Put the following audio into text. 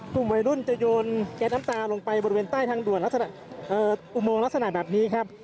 กลุ่มวัยรุ่นจะโยนแก๊สน้ำตาลงไปบริเวณใต้ทางด่วนลักษณะอุโมงลักษณะแบบนี้ครับ